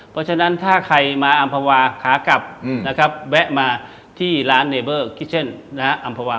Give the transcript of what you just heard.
เพราะฉะนั้นถ้าใครมาอำภาวาขากลับนะครับแวะมาที่ร้านเนเบอร์คิเช่นอำภาวา